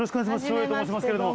照英と申しますけれども。